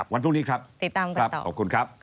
วันพรุ่งนี้ครับติดตามกันต่อ